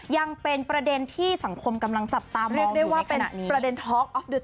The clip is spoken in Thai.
ยังเป็นประเด็นที่สังคมกำลังจับตามองอยู่ในขณะนี้เรียกได้ว่าเป็นประเด็นเลยอ่ะ